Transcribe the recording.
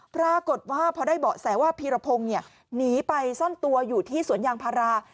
ปรากฏว่าพอได้เบาะแสว่าพีรพงศ์หนีไปซ่อนตัวอยู่ที่สวนยางพารา